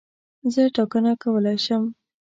زه ټاکنه کولای شم.